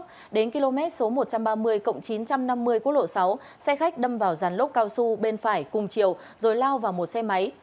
khi đến km số một trăm ba mươi cộng chín trăm năm mươi quốc lộ sáu xe khách đâm vào ràn lốc cao su bên phải cùng chiều rồi lao vào một xe máy